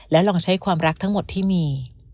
ลองใช้ความรักทั้งหมดที่มี